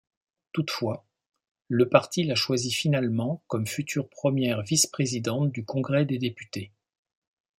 Toutefois, le parti la choisit finalement comme future première vice-présidente du Congrès des députés.